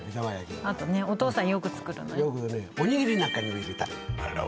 あとねお父さんよく作るのねおにぎりなんかにも入れたらあら